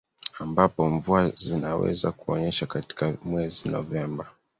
ambapo mvua zinaweza kunyesha katika mwezi Novemba